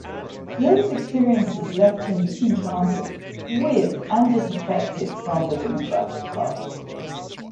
Those experiences left him disenchanted with and disaffected from the Democratic Party.